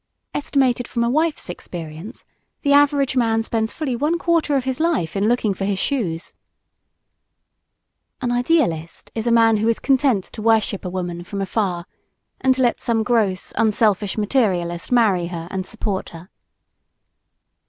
Estimated from a wife's experience, the average man spends fully one quarter of his life in looking for his shoes. An "idealist" is a man who is content to worship a woman from afar and let some gross, unselfish materialist marry her and support her.